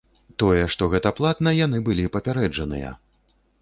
Тое, што гэта платна, яны былі папярэджаныя.